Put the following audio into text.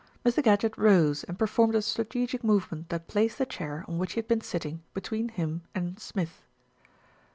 Mr. Gadgett rose and performed a strategic move ment that placed the chair, on which he had been sitting, between him and Smith.